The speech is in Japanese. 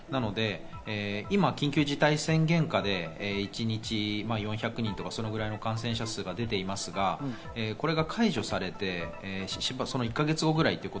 今、緊急事態宣言下で一日４００人とかそれぐらいの感染者数が出ていますが、これが解除されて１か月後ぐらい。